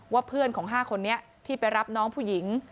ว่าเพื่อนของ๕คนนี้ที่ไปรับน้องผู้หญิง